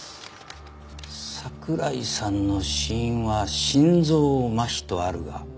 桜井さんの死因は心臓麻痺とあるが。